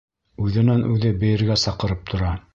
Үҙенән-үҙе бейергә саҡырып тора.